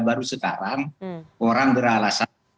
baru sekarang orang beralasan